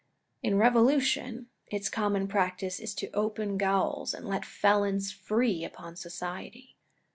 In revolution, its common practice is to open gaols, and let felons free upon society.